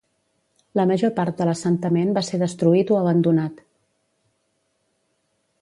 La major part de l'assentament va ser destruït o abandonat.